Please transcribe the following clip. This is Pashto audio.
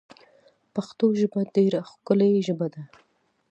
پشتو ژبه ډېره ښکولي ژبه ده